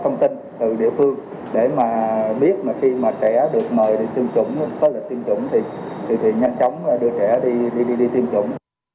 khi mà trẻ được mời đi tiêm chủng có lịch tiêm chủng thì thì nhanh chóng đưa trẻ đi đi đi tiêm chủng